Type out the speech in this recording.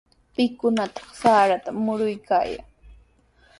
¿Pikunataq sarata muruykaayan?